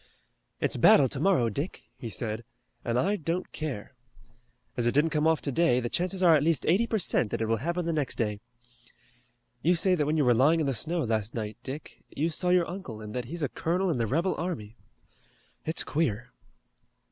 "It's battle tomorrow, Dick," he said, "and I don't care. As it didn't come off today the chances are at least eighty per cent that it will happen the next day. You say that when you were lying in the snow last night, Dick, you saw your uncle and that he's a colonel in the rebel army. It's queer."